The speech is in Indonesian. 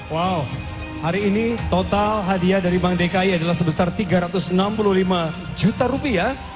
wow hari ini total hadiah dari bank dki adalah sebesar tiga ratus enam puluh lima juta rupiah